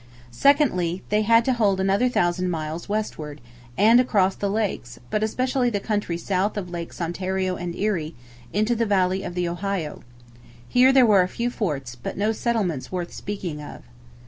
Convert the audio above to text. Secondly, they had to hold another thousand miles westward, to and across the Lakes; but especially the country south of Lakes Ontario and Erie, into the valley of the Ohio. Here there were a few forts, but no settlements worth speaking of.